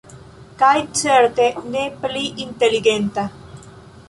Kaj certe ne pli inteligenta.